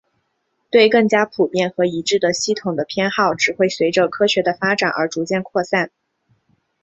对更加普遍和一致的系统的偏好只会随着科学的发展而逐渐扩散。